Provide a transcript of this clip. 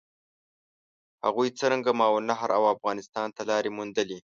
هغوی څرنګه ماورالنهر او افغانستان ته لارې وموندلې؟